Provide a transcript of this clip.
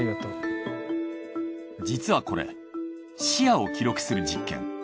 実はこれ視野を記録する実験。